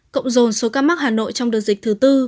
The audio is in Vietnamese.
cộng dồn số ca mắc hà nội trong đợt dịch thứ tư